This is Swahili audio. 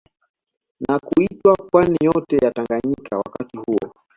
Na kuitwaa Pwani yote ya Tanganyika wakati huo